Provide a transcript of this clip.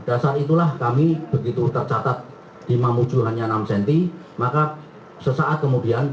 dasar itulah kami begitu tercatat di mamuju hanya enam cm maka sesaat kemudian